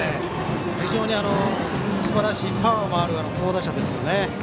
非常にすばらしいパワーのある好打者ですね。